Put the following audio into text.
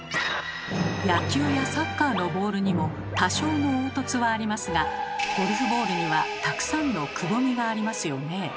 野球やサッカーのボールにも多少の凹凸はありますがゴルフボールにはたくさんのくぼみがありますよね。